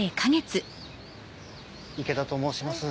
池田と申します。